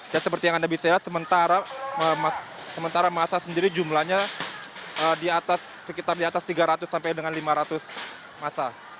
dan seperti yang anda bisa lihat sementara masa sendiri jumlahnya sekitar di atas tiga ratus sampai dengan lima ratus masa